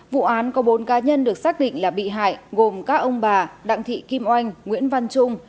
vụ án có bốn cá nhân được xác định là bị hại gồm các ông bà đặng thị kim oanh nguyễn văn trung